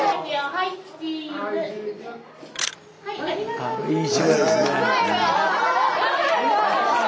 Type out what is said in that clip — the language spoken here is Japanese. はい。